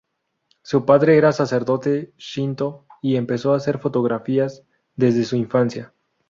Su padre era un sacerdote shinto y empezó a hacer fotografías desde su infancia.